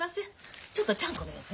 ちょっとちゃんこの様子見てくる。